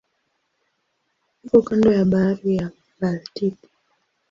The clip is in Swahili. Iko kando ya Bahari ya Baltiki.